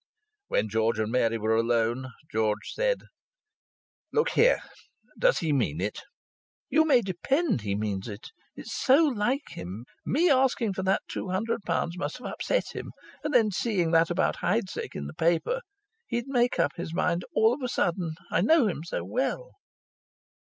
When George and Mary were alone, George said: "Look here! Does he mean it?" "You may depend he means it. It's so like him. Me asking for that £200 must have upset him. And then seeing that about Heidsieck in the paper he'd make up his mind all of a sudden I know him so well."